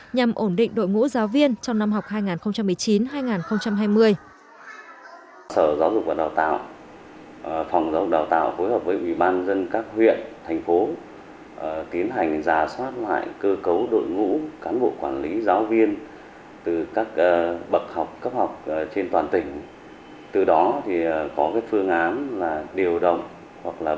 nhằm ổn định đội ngũ giáo viên trong năm học hai nghìn một mươi chín hai nghìn hai mươi